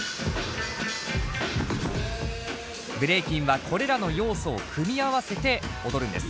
ブレイキンはこれらの要素を組み合わせて踊るんです。